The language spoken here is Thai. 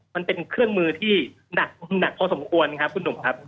มันเป็นเครื่องมือที่หนักพอสมควรครับคุณหนุ่มครับ